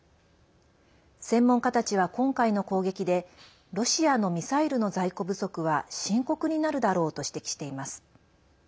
専門家たちは今回の攻撃でロシアのミサイルの在庫不足は深刻になるだろうと指摘しています。